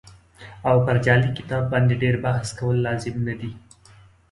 او پر جعلي کتاب باندې ډېر بحث کول لازم نه دي.